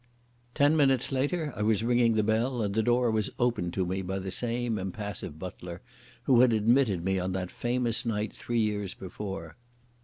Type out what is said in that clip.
Ten minutes later I was ringing the bell, and the door was opened to me by the same impassive butler who had admitted me on that famous night three years before.